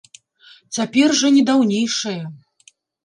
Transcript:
Цяпер жа не даўнейшае.